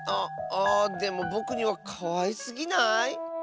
ああでもぼくにはかわいすぎない？